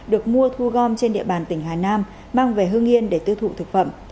được mua thu gom trên địa bàn tỉnh hà nam mang về hưng yên để tư thu thực phẩm